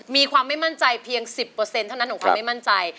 มีความไม่มั่นใจเพียง๑๐เท่านั้นของความไม่มั่นใจ